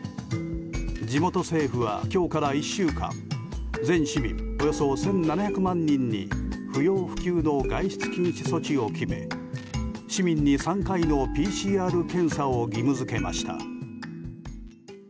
地元政府は今日から１週間全市民およそ１７００万人に不要不急の外出禁止措置を決め市民に３回のＰＣＲ検査を義務付けました。